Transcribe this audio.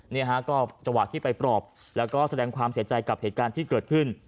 นี่ฮะก็จังหวะที่ไปปลอบแล้วก็แสดงความเสียใจกับเหตุการณ์ที่เกิดขึ้น